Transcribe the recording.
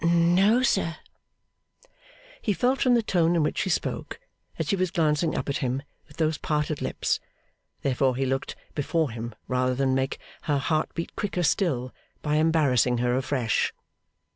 'No, sir.' He felt, from the tone in which she spoke, that she was glancing up at him with those parted lips; therefore he looked before him, rather than make her heart beat quicker still by embarrassing her afresh.